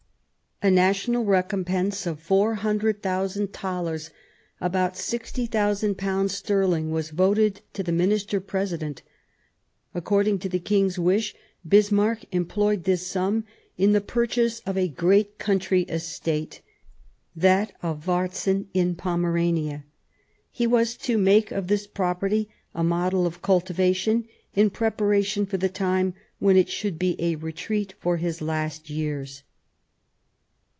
A national recompense of 400,000 thalers — about sixty thousand pounds sterling — was voted to the Minister President. According to the King's wish, Bismarck employed this sum in the purchase of a great country estate, that of Varzin in Pomerania. He was to make of this property a model of cultivation, in preparation for the time when it should be a retreat for his last years.